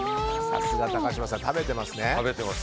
さすが高嶋さん食べていますね。